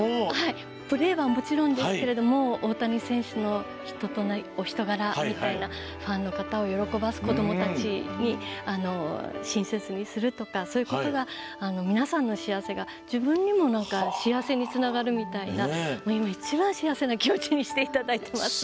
プレーはもちろんですけど大谷選手の人となりお人柄みたいなファンの方を喜ばすこと子どもたちに親切にするとか皆さんを幸せにすることが自分にも幸せにつながるみたいな一番、幸せな気持ちにさせていただいています。